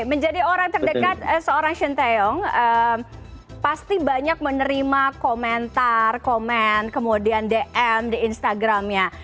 menjadi orang terdekat seorang shin taeyong pasti banyak menerima komentar komen kemudian dm di instagramnya